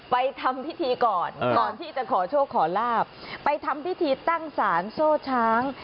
ไปทำพิธีก่อนก่อนที่จะขอโชคขอลาบไปทำพิธีตั้งสารโซ่ช้าง